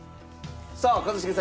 さあ一茂さん